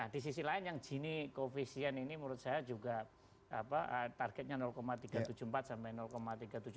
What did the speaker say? di sisi lain yang gini koefisien ini menurut saya juga targetnya tiga ratus tujuh puluh empat sampai tiga ratus tujuh puluh dua